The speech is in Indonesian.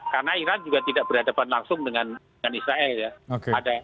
karena iran juga tidak beradaban langsung dengan israel ya